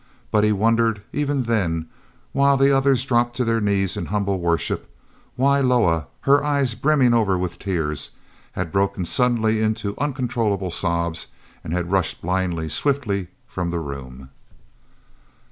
But he wondered, even then, while the others dropped to their knees in humble worship, why Loah, her eyes brimming over with tears, had broken suddenly into uncontrollable sobs and had rushed blindly, swiftly, from the room.